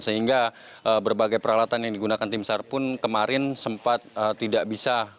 sehingga berbagai peralatan yang digunakan tim sar pun kemarin sempat tidak bisa